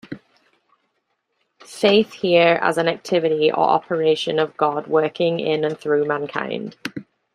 Faith here as an activity or operation of God working in and through mankind.